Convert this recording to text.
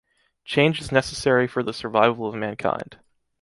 Change is necessary for the survival of mankind.